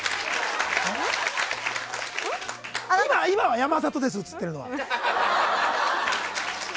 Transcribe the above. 今は山里です、映ってるのは。